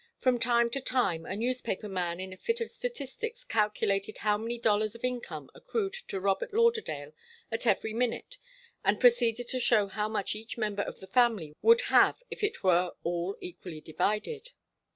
From time to time a newspaper man in a fit of statistics calculated how many dollars of income accrued to Robert Lauderdale at every minute, and proceeded to show how much each member of the family would have if it were all equally divided.